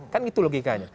kan itu logikanya